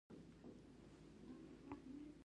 کلي کې مو ژوند گران شو